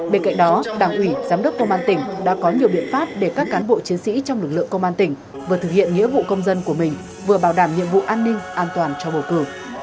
bên cạnh đó đảng ủy giám đốc công an tỉnh đã có nhiều biện pháp để các cán bộ chiến sĩ trong lực lượng công an tỉnh vừa thực hiện nghĩa vụ công dân của mình vừa bảo đảm nhiệm vụ an ninh an toàn cho bầu cử